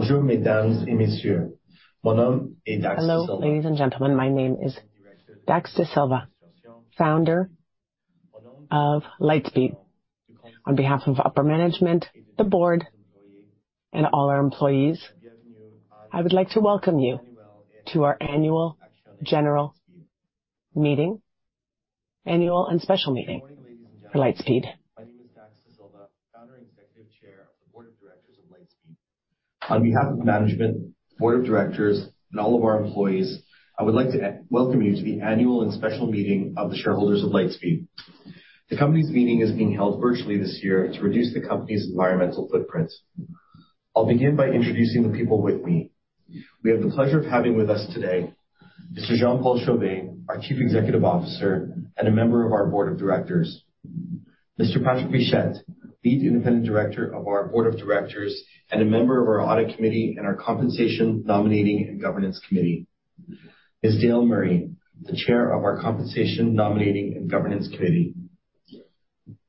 Hello, ladies and gentlemen. My name is Dax Dasilva, Founder of Lightspeed. On behalf of upper management, the board, and all our employees, I would like to welcome you to our annual general meeting, annual and special meeting for Lightspeed. My name is Dax Dasilva, Founder and Executive Chair of the Board of Directors of Lightspeed. On behalf of management, Board of Directors, and all of our employees, I would like to welcome you to the annual and special meeting of the shareholders of Lightspeed. The company's meeting is being held virtually this year to reduce the company's environmental footprint. I'll begin by introducing the people with me. We have the pleasure of having with us today, Mr. Jean-Paul Chauvet, our Chief Executive Officer and a member of our Board of Directors. Mr. Patrick Pichette, Lead Independent Director of our Board of Directors, and a member of our Audit Committee and our Compensation, Nominating, and Governance Committee. Ms. Dale Murray, the Chair of our Compensation, Nominating, and Governance Committee.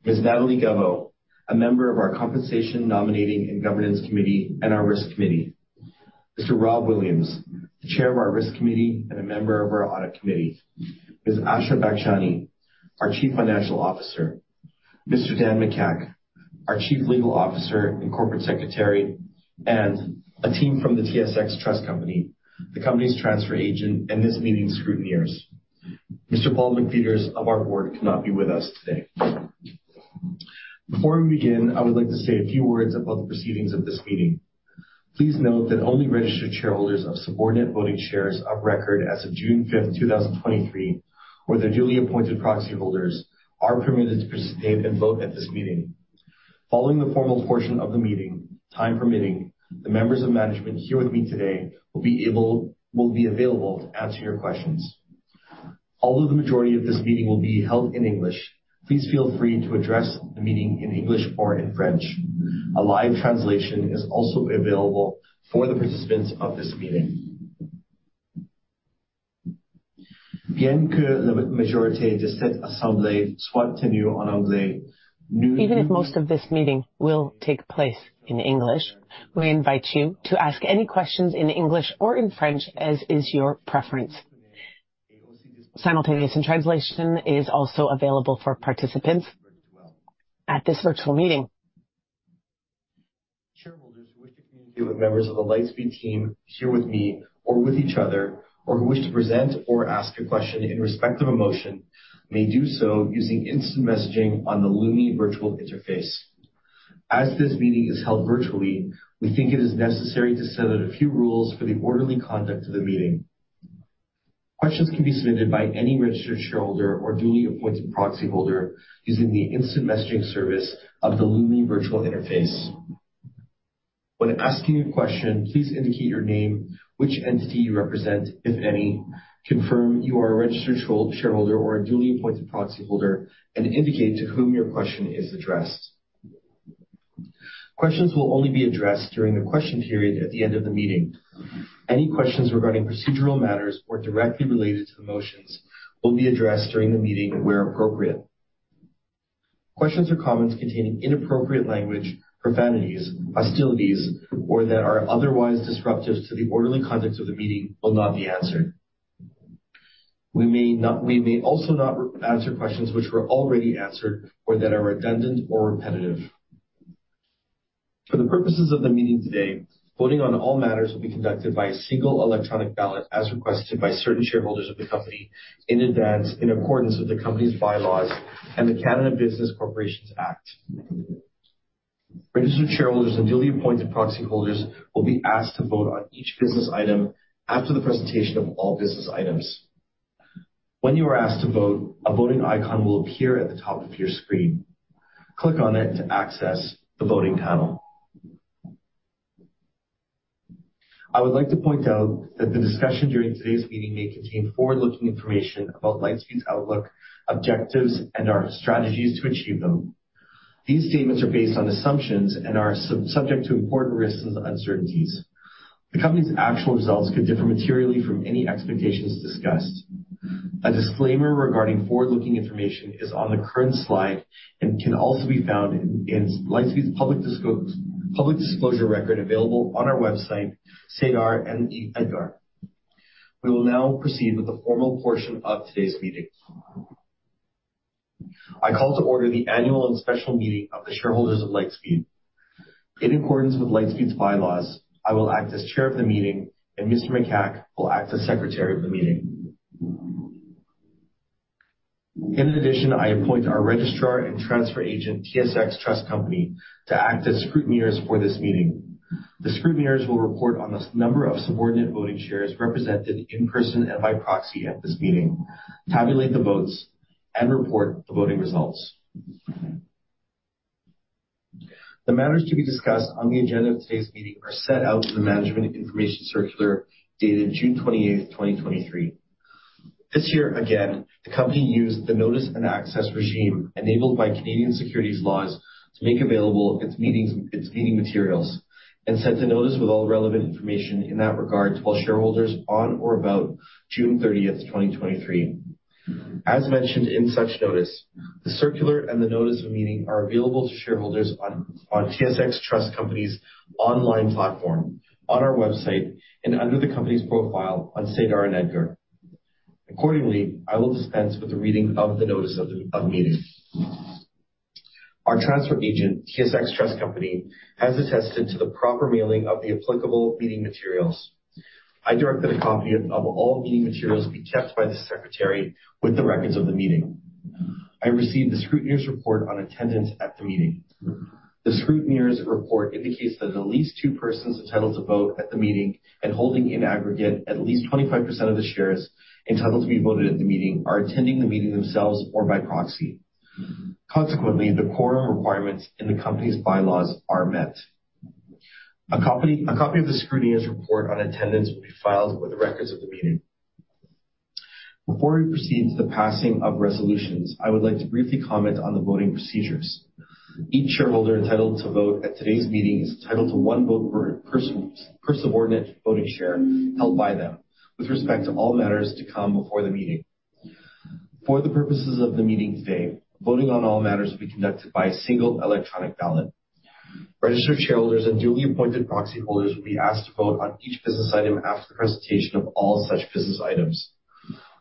Ms. Nathalie Gaveau, a member of our Compensation, Nominating, and Governance Committee and our Risk Committee. Mr. Rob Williams, the Chair of our Risk Committee and a member of our Audit Committee. Ms. Asha Bakshani, our Chief Financial Officer. Mr. Dan Micak, our Chief Legal Officer and Corporate Secretary, and a team from the TSX Trust Company, the company's transfer agent, and this meeting scrutineers. Mr. Paul McFeeters of our board cannot be with us today. Before we begin, I would like to say a few words about the proceedings of this meeting. Please note that only registered shareholders of subordinate voting shares of record as of June fifth, 2023, or their duly appointed proxy holders, are permitted to participate and vote at this meeting. Following the formal portion of the meeting, time permitting, the members of management here with me today will be available to answer your questions. Although the majority of this meeting will be held in English, please feel free to address the meeting in English or in French. A live translation is also available for the participants of this meeting. Even if most of this meeting will take place in English, we invite you to ask any questions in English or in French, as is your preference. Simultaneous and translation is also available for participants at this virtual meeting. Shareholders who wish to communicate with members of the Lightspeed team here with me or with each other, or who wish to present or ask a question in respect of a motion, may do so using instant messaging on the Lumi Virtual interface. As this meeting is held virtually, we think it is necessary to set out a few rules for the orderly conduct of the meeting. Questions can be submitted by any registered shareholder or duly appointed proxyholder using the instant messaging service of the Lumi Virtual interface. When asking a question, please indicate your name, which entity you represent, if any, confirm you are a registered shareholder or a duly appointed proxyholder, and indicate to whom your question is addressed. Questions will only be addressed during the question period at the end of the meeting. Any questions regarding procedural matters or directly related to the motions will be addressed during the meeting, where appropriate. Questions or comments containing inappropriate language, profanities, hostilities, or that are otherwise disruptive to the orderly conduct of the meeting will not be answered. We may also not answer questions which were already answered or that are redundant or repetitive. For the purposes of the meeting today, voting on all matters will be conducted by a single electronic ballot, as requested by certain shareholders of the company in advance, in accordance with the company's bylaws and the Canada Business Corporations Act. Registered shareholders and duly appointed proxy holders will be asked to vote on each business item after the presentation of all business items. When you are asked to vote, a voting icon will appear at the top of your screen. Click on it to access the voting panel. I would like to point out that the discussion during today's meeting may contain forward-looking information about Lightspeed's outlook, objectives, and our strategies to achieve them. These statements are based on assumptions and are subject to important risks and uncertainties. The company's actual results could differ materially from any expectations discussed. A disclaimer regarding forward-looking information is on the current slide and can also be found in Lightspeed's public disclosure record, available on our website, SEDAR, and EDGAR. We will now proceed with the formal portion of today's meeting. I call to order the annual and special meeting of the shareholders of Lightspeed. In accordance with Lightspeed's bylaws, I will act as chair of the meeting, and Mr. Micak will act as secretary of the meeting. In addition, I appoint our registrar and transfer agent, TSX Trust Company, to act as scrutineers for this meeting. The scrutineers will report on the number of subordinate voting shares represented in person and by proxy at this meeting, tabulate the votes, and report the voting results. The matters to be discussed on the agenda of today's meeting are set out in the Management Information Circular, dated June 28th, 2023. This year, again, the company used the notice and access regime enabled by Canadian securities laws to make available its meetings, its meeting materials, and sent a notice with all relevant information in that regard to all shareholders on or about June 30th, 2023. As mentioned in such notice, the circular and the notice of meeting are available to shareholders on TSX Trust Company's online platform, on our website, and under the company's profile on SEDAR and EDGAR. Accordingly, I will dispense with the reading of the notice of meeting. Our transfer agent, TSX Trust Company, has attested to the proper mailing of the applicable meeting materials. I direct that a copy of all meeting materials be kept by the secretary with the records of the meeting. I received the scrutineer's report on attendance at the meeting. The scrutineer's report indicates that at least two persons entitled to vote at the meeting and holding in aggregate at least 25% of the shares entitled to be voted at the meeting, are attending the meeting themselves or by proxy. Consequently, the quorum requirements in the company's bylaws are met. A copy, a copy of the scrutineer's report on attendance will be filed with the records of the meeting. Before we proceed to the passing of resolutions, I would like to briefly comment on the voting procedures. Each shareholder entitled to vote at today's meeting is entitled to one vote per person, per subordinate voting share held by them with respect to all matters to come before the meeting. For the purposes of the meeting today, voting on all matters will be conducted by a single electronic ballot. Registered shareholders and duly appointed proxy holders will be asked to vote on each business item after the presentation of all such business items.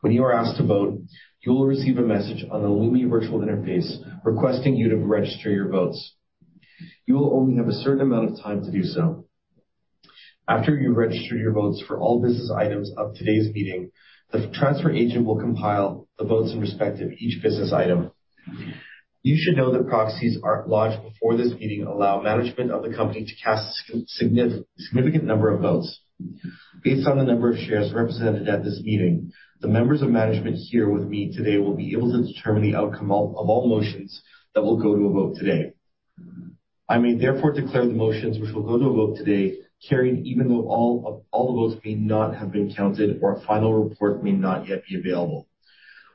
When you are asked to vote, you will receive a message on the Lumi Virtual interface requesting you to register your votes. You will only have a certain amount of time to do so. After you've registered your votes for all business items of today's meeting, the transfer agent will compile the votes in respect of each business item. You should know that proxies are lodged before this meeting allow management of the company to cast significant number of votes. Based on the number of shares represented at this meeting, the members of management here with me today will be able to determine the outcome of all motions that will go to a vote today. I may therefore declare the motions which will go to a vote today, carried, even though all the votes may not have been counted or a final report may not yet be available.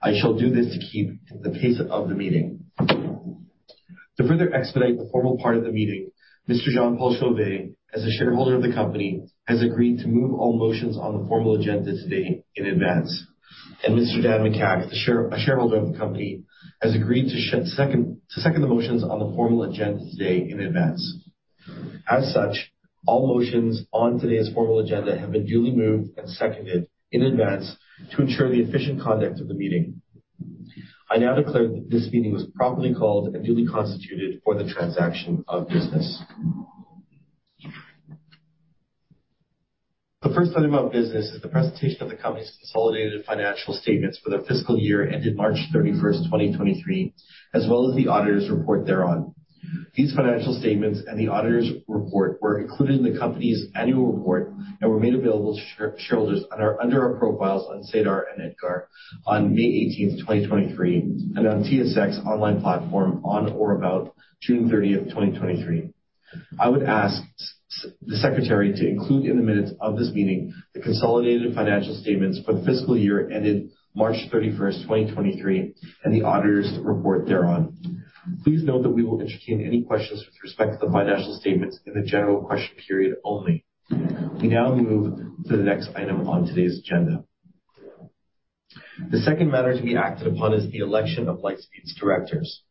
I shall do this to keep the pace of the meeting. To further expedite the formal part of the meeting, Mr. Jean-Paul Chauvet, as a shareholder of the company, has agreed to move all motions on the formal agenda today in advance. Mr. Dan Mica, a shareholder of the company, has agreed to second, to second the motions on the formal agenda today in advance. As such, all motions on today's formal agenda have been duly moved and seconded in advance to ensure the efficient conduct of the meeting. I now declare that this meeting was properly called and duly constituted for the transaction of business. The first item of business is the presentation of the company's consolidated financial statements for the fiscal year ended March 31st, 2023, as well as the auditor's report thereon. These financial statements and the auditor's report were included in the company's annual report and were made available to shareholders under our profiles on SEDAR and EDGAR on May 18th, 2023, and on TSX online platform on or about June 30th, 2023. I would ask the secretary to include in the minutes of this meeting, the consolidated financial statements for the fiscal year ended March 31st, 2023, and the auditor's report thereon. Please note that we will entertain any questions with respect to the financial statements in the general question period only. We now move to the next item on today's agenda. The second matter to be acted upon is the election of Lightspeed's directors.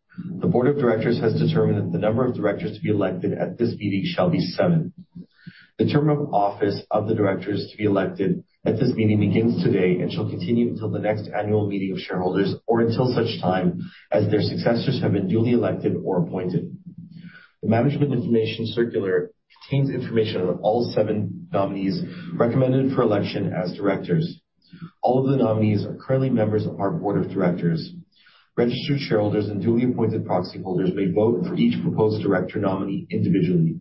The board of directors has determined that the number of directors to be elected at this meeting shall be seven. The term of office of the directors to be elected at this meeting begins today and shall continue until the next annual meeting of shareholders, or until such time as their successors have been duly elected or appointed. The Management Information Circular contains information on all seven nominees recommended for election as directors. All of the nominees are currently members of our board of directors. Registered shareholders and duly appointed proxy holders may vote for each proposed director nominee individually.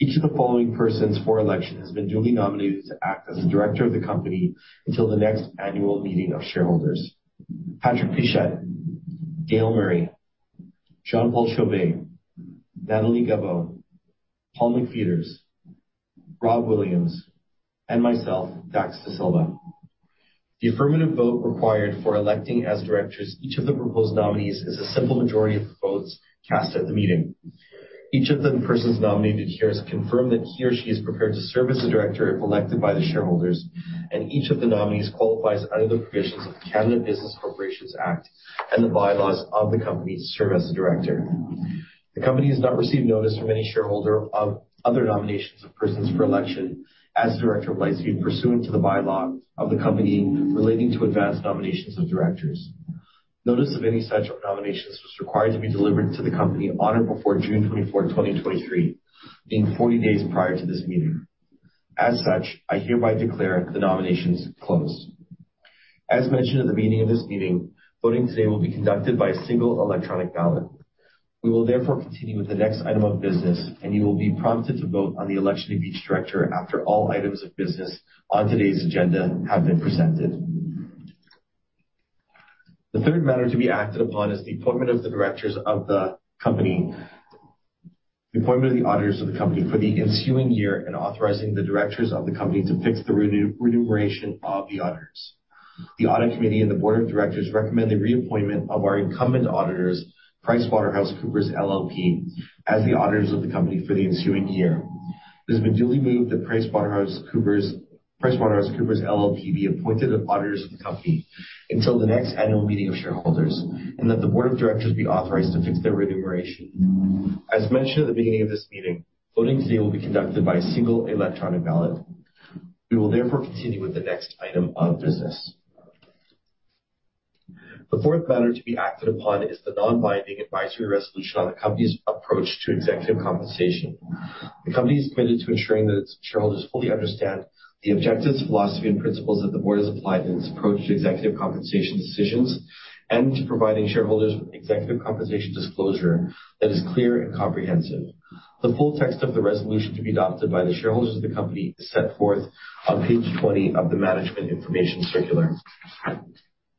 Each of the following persons for election has been duly nominated to act as a director of the company until the next annual meeting of shareholders. Patrick Pichette, Dale Murray, Jean-Paul Chauvet, Nathalie Gaveau, Paul McFeeters, Rob Williams, and myself, Dax Dasilva. The affirmative vote required for electing as directors, each of the proposed nominees, is a simple majority of the votes cast at the meeting. Each of the persons nominated here has confirmed that he or she is prepared to serve as a director if elected by the shareholders, and each of the nominees qualifies under the provisions of the Canada Business Corporations Act and the bylaws of the company to serve as a director. The company has not received notice from any shareholder of other nominations of persons for election as director of Lightspeed, pursuant to the bylaws of the company relating to advanced nominations of directors. Notice of any such nominations was required to be delivered to the company on or before June 24th, 2023, being 40 days prior to this meeting. As such, I hereby declare the nominations closed. As mentioned at the beginning of this meeting, voting today will be conducted by a single electronic ballot. We will therefore continue with the next item of business, and you will be prompted to vote on the election of each director after all items of business on today's agenda have been presented. The third matter to be acted upon is the appointment of the directors of the company. The appointment of the auditors of the company for the ensuing year and authorizing the directors of the company to fix the remuneration of the auditors. The audit committee and the board of directors recommend the reappointment of our incumbent auditors, PricewaterhouseCoopers LLP, as the auditors of the company for the ensuing year. It has been duly moved that PricewaterhouseCoopers LLP be appointed as auditors of the company until the next annual meeting of shareholders, and that the board of directors be authorized to fix their remuneration. As mentioned at the beginning of this meeting, voting today will be conducted by a single electronic ballot. We will therefore continue with the next item on business. The fourth matter to be acted upon is the non-binding advisory resolution on the company's approach to executive compensation. The company is committed to ensuring that its shareholders fully understand the objectives, philosophy, and principles that the board has applied in its approach to executive compensation decisions and to providing shareholders with executive compensation disclosure that is clear and comprehensive. The full text of the resolution to be adopted by the shareholders of the company is set forth on page 20 of the Management Information Circular.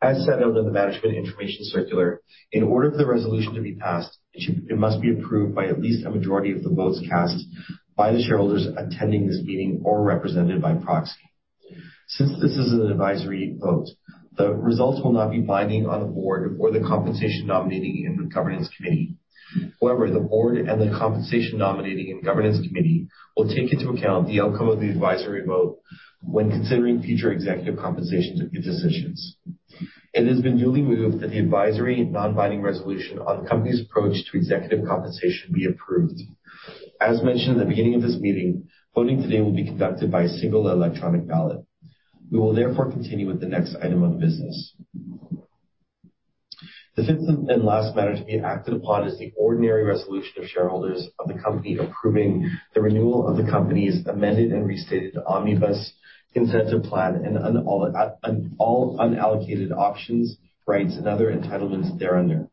As set out in the Management Information Circular, in order for the resolution to be passed, it must be approved by at least a majority of the votes cast by the shareholders attending this meeting or represented by proxy. Since this is an advisory vote, the results will not be binding on the board or the Compensation Nominating and Governance Committee. However, the board and the Compensation Nominating and Governance Committee will take into account the outcome of the advisory vote when considering future executive compensation to give decisions. It has been duly moved that the advisory non-binding resolution on the company's approach to executive compensation be approved. As mentioned at the beginning of this meeting, voting today will be conducted by a single electronic ballot. We will therefore continue with the next item on business. The fifth and last matter to be acted upon is the ordinary resolution of shareholders of the company, approving the renewal of the company's amended and restated Omnibus Incentive Plan and all, and all unallocated options, rights, and other entitlements thereunder.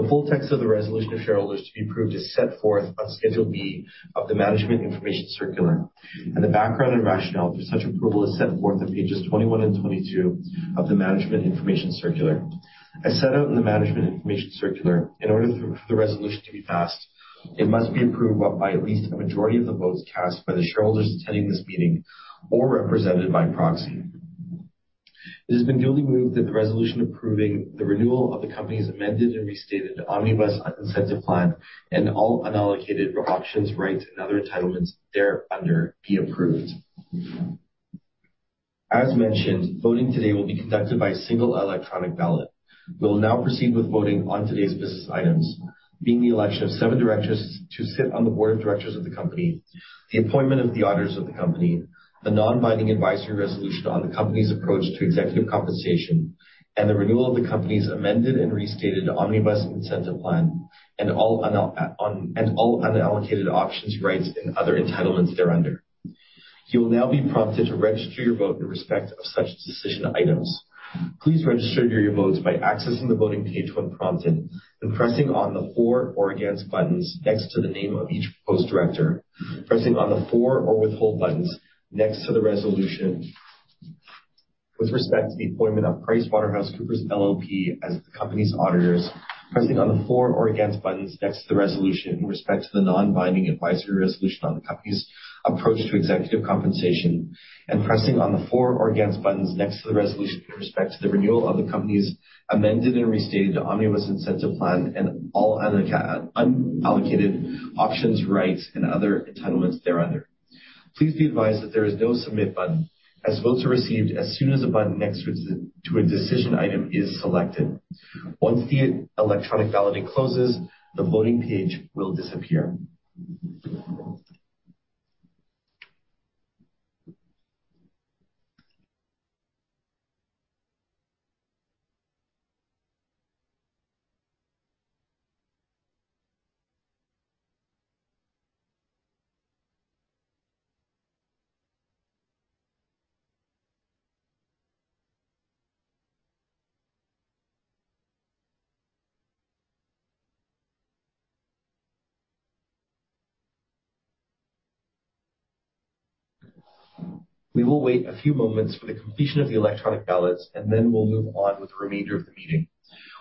The full text of the resolution of shareholders to be approved is set forth on Schedule B of the Management Information Circular, and the background and rationale for such approval is set forth on pages 21 and 22 of the Management Information Circular. As set out in the Management Information Circular, in order for the resolution to be passed, it must be approved by at least a majority of the votes cast by the shareholders attending this meeting or represented by proxy. It has been duly moved that the resolution approving the renewal of the company's amended and restated Omnibus Incentive Plan and all unallocated options, rights, and other entitlements there under be approved. As mentioned, voting today will be conducted by a single electronic ballot. We will now proceed with voting on today's business items, being the election of seven directors to sit on the board of directors of the company, the appointment of the auditors of the company, the non-binding advisory resolution on the company's approach to executive compensation, and the renewal of the company's amended and restated Omnibus Incentive Plan, and all unallocated options, rights, and other entitlements thereunder. You will now be prompted to register your vote in respect of such decision items. Please register your votes by accessing the voting page when prompted and pressing on the for or against buttons next to the name of each proposed director. Pressing on the for or withhold buttons next to the resolution with respect to the appointment of PricewaterhouseCoopers LLP as the company's auditors. Pressing on the for or against buttons next to the resolution in respect to the non-binding advisory resolution on the company's approach to executive compensation. Pressing on the for or against buttons next to the resolution with respect to the renewal of the company's amended and restated Omnibus Incentive Plan and all unallocated options, rights, and other entitlements thereunder. Please be advised that there is no submit button, as votes are received as soon as a button next to a decision item is selected. Once the electronic balloting closes, the voting page will disappear. We will wait a few moments for the completion of the electronic ballots, and then we'll move on with the remainder of the meeting.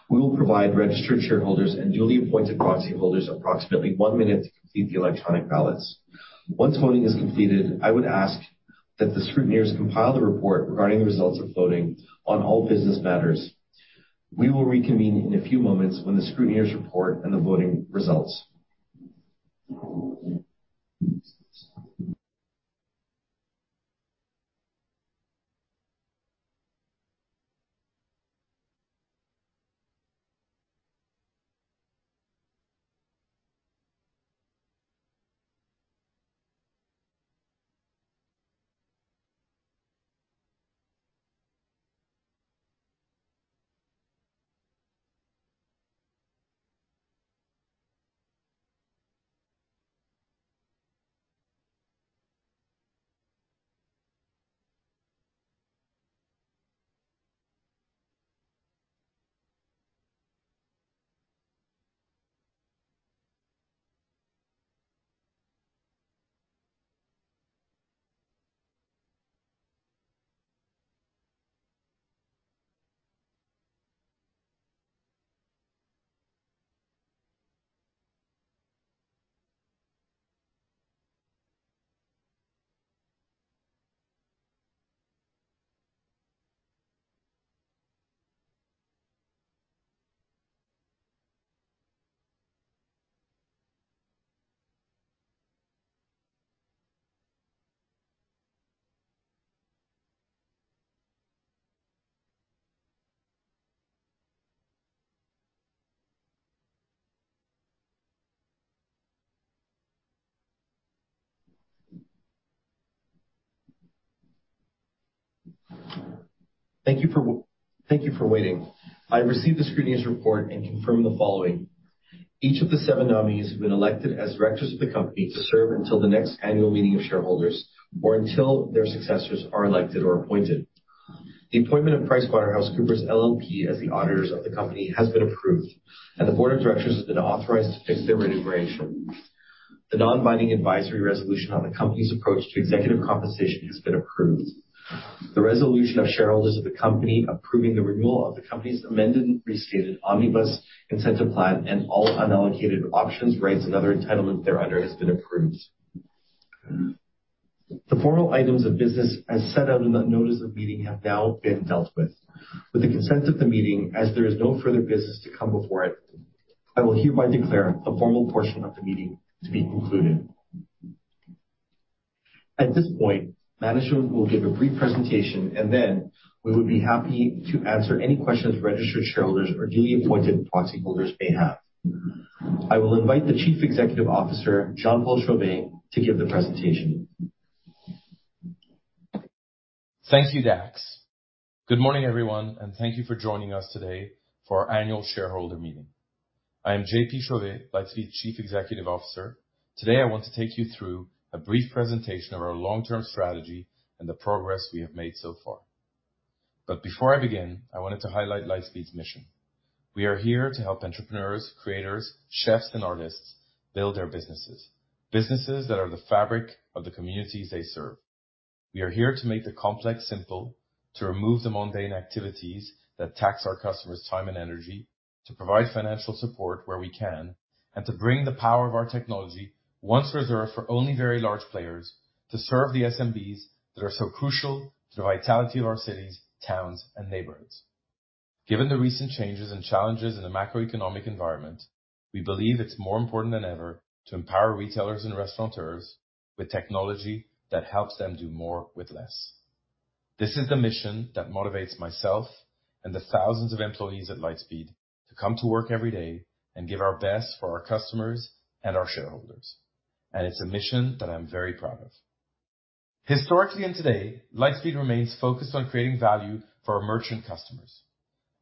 We will provide registered shareholders and duly appointed proxy holders approximately one minute to complete the electronic ballots. Once voting is completed, I would ask that the scrutineers compile the report regarding the results of voting on all business matters. We will reconvene in a few moments when the scrutineers report on the voting results. Thank you for thank you for waiting. I have received the scrutineers' report and confirm the following: Each of the seven nominees have been elected as directors of the company to serve until the next annual meeting of shareholders or until their successors are elected or appointed. The appointment of PricewaterhouseCoopers LLP as the auditors of the company has been approved. The board of directors has been authorized to fix their remuneration. The non-binding advisory resolution on the company's approach to executive compensation has been approved. The resolution of shareholders of the company approving the renewal of the company's Amended and Restated Omnibus Incentive Plan and all unallocated options, rights, and other entitlements thereunder has been approved. The formal items of business, as set out in the notice of meeting, have now been dealt with. With the consent of the meeting, as there is no further business to come before it, I will hereby declare the formal portion of the meeting to be concluded. At this point, management will give a brief presentation, and then we would be happy to answer any questions registered shareholders or duly appointed proxy holders may have. I will invite the Chief Executive Officer, Jean-Paul Chauvet, to give the presentation. Thank you, Dax. Good morning, everyone, and thank you for joining us today for our annual shareholder meeting. I am JP Chauvet, Lightspeed Chief Executive Officer. Today, I want to take you through a brief presentation of our long-term strategy and the progress we have made so far. Before I begin, I wanted to highlight Lightspeed's mission. We are here to help entrepreneurs, creators, chefs, and artists build their businesses. Businesses that are the fabric of the communities they serve. We are here to make the complex simple, to remove the mundane activities that tax our customers' time and energy, to provide financial support where we can, and to bring the power of our technology, once reserved for only very large players, to serve the SMBs that are so crucial to the vitality of our cities, towns, and neighborhoods. Given the recent changes and challenges in the macroeconomic environment, we believe it's more important than ever to empower retailers and restaurateurs with technology that helps them do more with less. This is the mission that motivates myself and the thousands of employees at Lightspeed to come to work every day and give our best for our customers and our shareholders. It's a mission that I'm very proud of. Historically and today, Lightspeed remains focused on creating value for our merchant customers.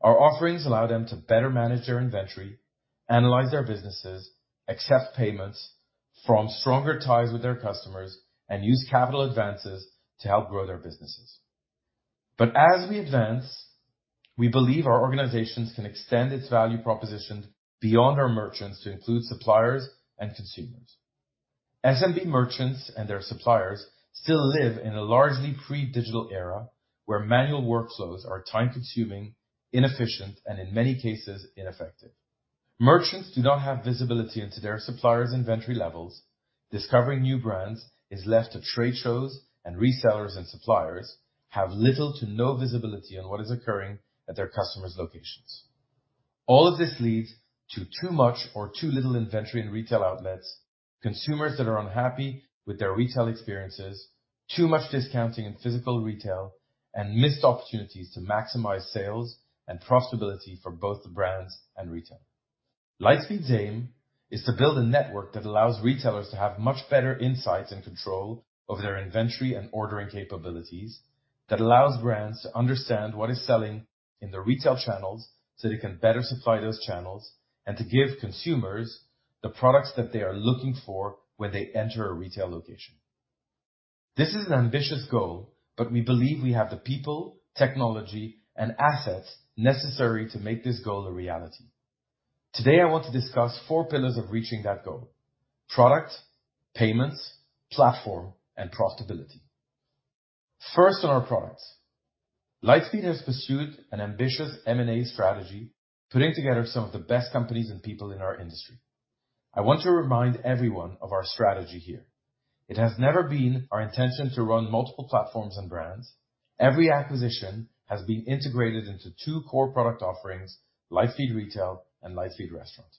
Our offerings allow them to better manage their inventory, analyze their businesses, accept payments, form stronger ties with their customers, and use capital advances to help grow their businesses. As we advance, we believe our organizations can extend its value proposition beyond our merchants to include suppliers and consumers. SMB merchants and their suppliers still live in a largely pre-digital era, where manual workflows are time-consuming, inefficient, and in many cases, ineffective. Merchants do not have visibility into their suppliers' inventory levels. Discovering new brands is left to trade shows, and resellers and suppliers have little to no visibility on what is occurring at their customers' locations. All of this leads to too much or too little inventory in retail outlets, consumers that are unhappy with their retail experiences, too much discounting in physical retail, and missed opportunities to maximize sales and profitability for both the brands and retail. Lightspeed's aim is to build a network that allows retailers to have much better insights and control over their inventory and ordering capabilities, that allows brands to understand what is selling in their retail channels, so they can better supply those channels, and to give consumers the products that they are looking for when they enter a retail location. This is an ambitious goal, but we believe we have the people, technology, and assets necessary to make this goal a reality. Today, I want to discuss four pillars of reaching that goal: product, payments, platform, and profitability. First, on our products. Lightspeed has pursued an ambitious M&A strategy, putting together some of the best companies and people in our industry. I want to remind everyone of our strategy here. It has never been our intention to run multiple platforms and brands. Every acquisition has been integrated into two core product offerings, Lightspeed Retail and Lightspeed Restaurant.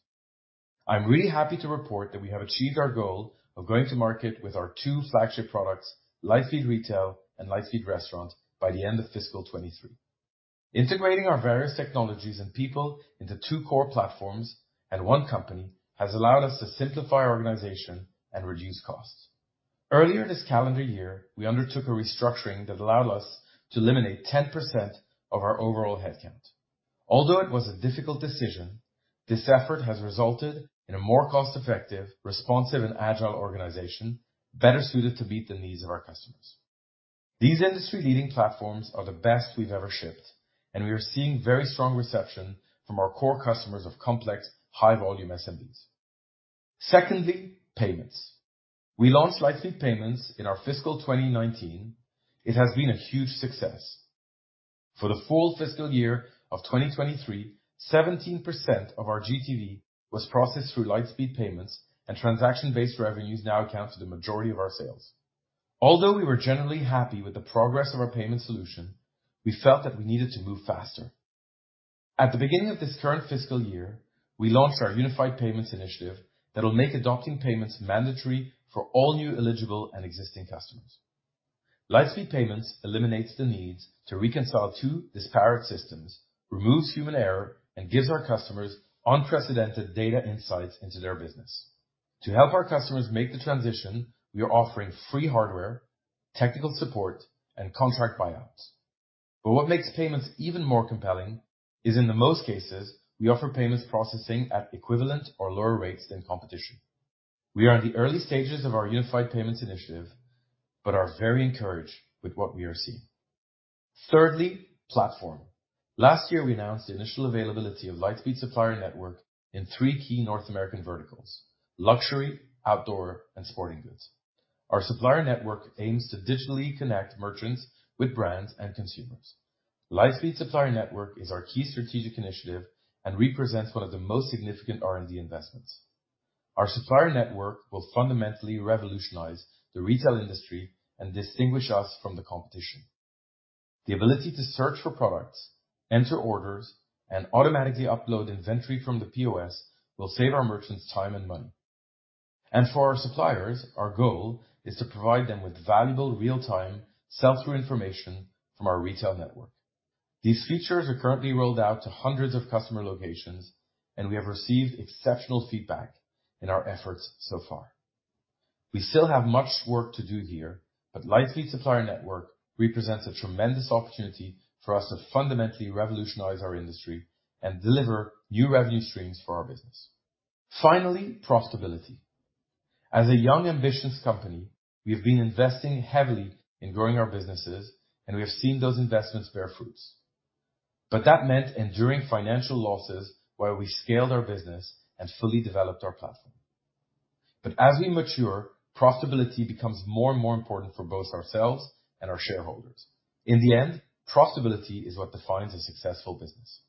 I'm really happy to report that we have achieved our goal of going to market with our two flagship products, Lightspeed Retail and Lightspeed Restaurant, by the end of fiscal 23. Integrating our various technologies and people into two core platforms and one company has allowed us to simplify our organization and reduce costs. Earlier this calendar year, we undertook a restructuring that allowed us to eliminate 10% of our overall headcount. It was a difficult decision, this effort has resulted in a more cost-effective, responsive, and agile organization, better suited to meet the needs of our customers. These industry-leading platforms are the best we've ever shipped, and we are seeing very strong reception from our core customers of complex, high-volume SMBs. Secondly, payments. We launched Lightspeed Payments in our fiscal 2019. It has been a huge success. For the full fiscal year of 2023, 17% of our GTV was processed through Lightspeed Payments, and transaction-based revenues now account for the majority of our sales. Although we were generally happy with the progress of our payment solution, we felt that we needed to move faster. At the beginning of this current fiscal year, we launched our unified payments initiative that will make adopting payments mandatory for all new eligible and existing customers. Lightspeed Payments eliminates the need to reconcile two disparate systems, removes human error, and gives our customers unprecedented data insights into their business. To help our customers make the transition, we are offering free hardware, technical support, and contract buyouts. What makes payments even more compelling is, in the most cases, we offer payments processing at equivalent or lower rates than competition. We are in the early stages of our unified payments initiative, are very encouraged with what we are seeing. Thirdly, platform. Last year, we announced the initial availability of Lightspeed Supplier Network in three key North American verticals: luxury, outdoor, and sporting goods. Our supplier network aims to digitally connect merchants with brands and consumers. Lightspeed Supplier Network is our key strategic initiative and represents one of the most significant R&D investments. Our supplier network will fundamentally revolutionize the retail industry and distinguish us from the competition. The ability to search for products, enter orders, and automatically upload inventory from the POS will save our merchants time and money. For our suppliers, our goal is to provide them with valuable real-time sell-through information from our retail network. These features are currently rolled out to hundreds of customer locations, and we have received exceptional feedback in our efforts so far. We still have much work to do here, but Lightspeed Supplier Network represents a tremendous opportunity for us to fundamentally revolutionize our industry and deliver new revenue streams for our business. Finally, profitability. As a young, ambitious company, we have been investing heavily in growing our businesses, and we have seen those investments bear fruits. That meant enduring financial losses while we scaled our business and fully developed our platform. As we mature, profitability becomes more and more important for both ourselves and our shareholders. In the end, profitability is what defines a successful business.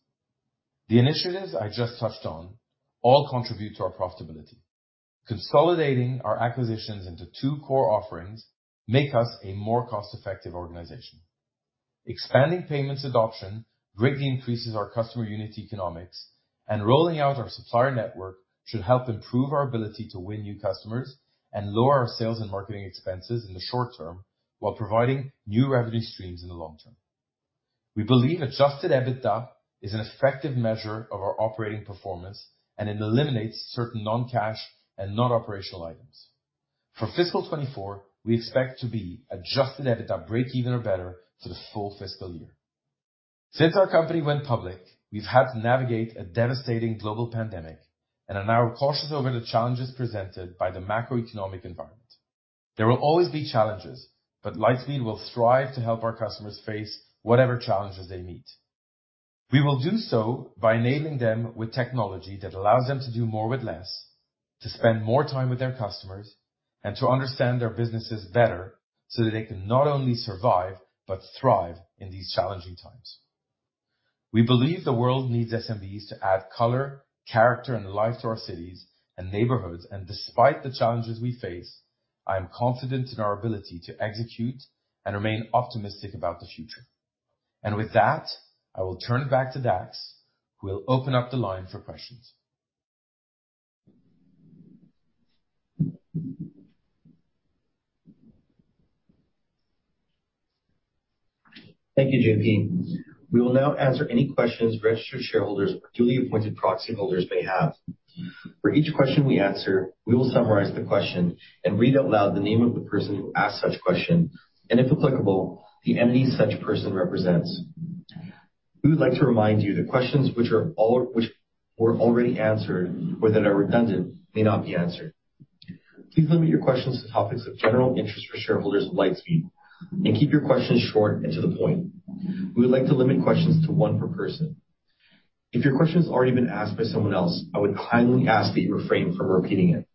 The initiatives I just touched on all contribute to our profitability. Consolidating our acquisitions into two core offerings make us a more cost-effective organization. Expanding payments adoption greatly increases our customer unit economics, and rolling out our Supplier Network should help improve our ability to win new customers and lower our sales and marketing expenses in the short term, while providing new revenue streams in the long term. We believe Adjusted EBITDA is an effective measure of our operating performance, and it eliminates certain non-cash and non-operational items. For fiscal 2024, we expect to be Adjusted EBITDA break even or better for the full fiscal year. Since our company went public, we've had to navigate a devastating global pandemic and are now cautious over the challenges presented by the macroeconomic environment. There will always be challenges. Lightspeed will thrive to help our customers face whatever challenges they meet. We will do so by enabling them with technology that allows them to do more with less, to spend more time with their customers, and to understand their businesses better, so that they can not only survive but thrive in these challenging times. We believe the world needs SMBs to add color, character, and life to our cities and neighborhoods, and despite the challenges we face, I am confident in our ability to execute and remain optimistic about the future. With that, I will turn it back to Dax, who will open up the line for questions. Thank you, JP. We will now answer any questions registered shareholders or duly appointed proxy holders may have. For each question we answer, we will summarize the question and read out loud the name of the person who asked such question, and if applicable, the entity such person represents. We would like to remind you that questions which were already answered or that are redundant may not be answered. Please limit your questions to topics of general interest for shareholders of Lightspeed, and keep your questions short and to the point. We would like to limit questions to one per person. If your question has already been asked by someone else, I would kindly ask that you refrain from repeating it.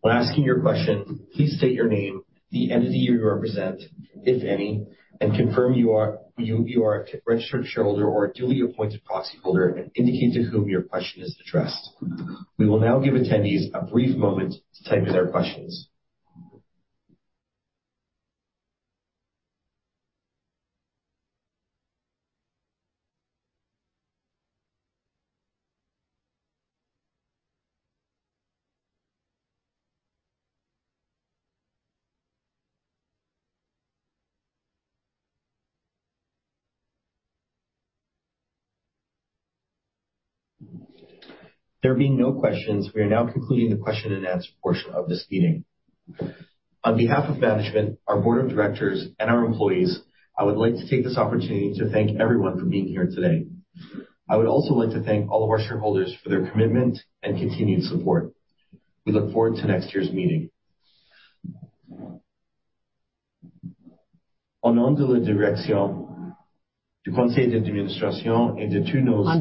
When asking your question, please state your name, the entity you represent, if any, and confirm you are a registered shareholder or a duly appointed proxy holder, and indicate to whom your question is addressed. We will now give attendees a brief moment to type in their questions. There being no questions, we are now concluding the question and answer portion of this meeting. On behalf of management, our board of directors, and our employees, I would like to take this opportunity to thank everyone for being here today. I would also like to thank all of our shareholders for their commitment and continued support. We look forward to next year's meeting. On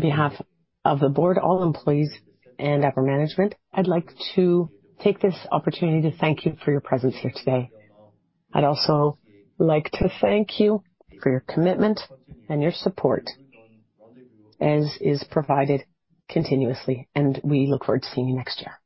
behalf of the board, all employees, and upper management, I'd like to take this opportunity to thank you for your presence here today. I'd also like to thank you for your commitment and your support as is provided continuously, and we look forward to seeing you next year.